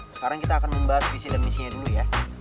sekarang kita akan membahas visi dan misinya dulu ya